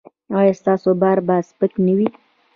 ایا ستاسو بار به سپک نه وي؟